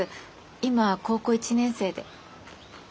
今高校１年生で。